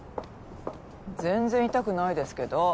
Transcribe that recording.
全然痛くないですけど。